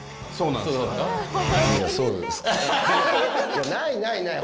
いやないないない！